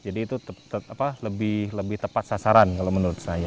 jadi itu lebih tepat sasaran kalau menurut saya